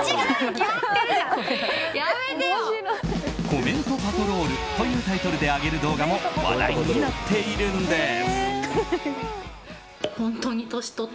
コメントパトロールというタイトルで上げる動画も話題になっているんです。